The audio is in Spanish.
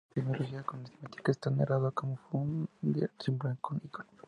Así, confundir semiología con semiótica es tan errado como confundir símbolo con icono.